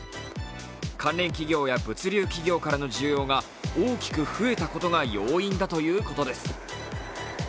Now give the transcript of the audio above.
関連企業や物流企業からの需要が大きく増えたことが要因だということです。